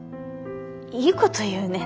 いいこと言うね